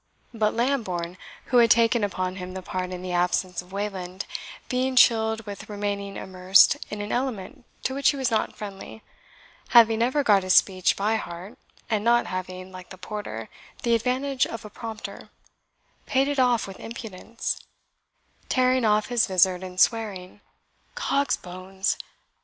But Lambourne, who had taken upon him the part in the absence of Wayland, being chilled with remaining immersed in an element to which he was not friendly, having never got his speech by heart, and not having, like the porter, the advantage of a prompter, paid it off with impudence, tearing off his vizard, and swearing, "Cogs bones!